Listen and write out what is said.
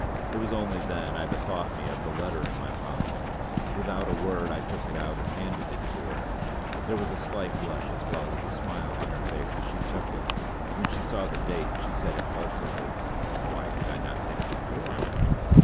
It was only then I bethought me of the letter in my pocket. Without a word I took it out and handed it to her. There was a slight blush as well as a smile on her face as she took it. When she saw the date she said impulsively: "Why did I not get it before?"